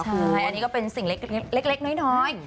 ใช่อันนี้ก็เป็นสิ่งเล็กน้อย